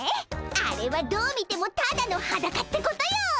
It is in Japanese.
あれはどう見てもただのハダカってことよ！